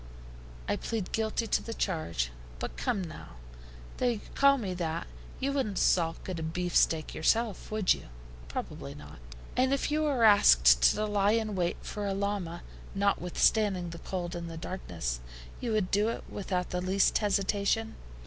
"I plead guilty to the charge. But come, now, though you call me that, you wouldn't sulk at a beefsteak yourself, would you?" "Probably not." "And if you were asked to lie in wait for a llama, notwithstanding the cold and the darkness, you would do it without the least hesitation?"